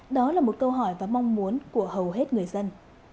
đó là một câu hỏi và mong muốn của hầu hết người dân